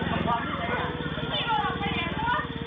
สวัสดีสวัสดี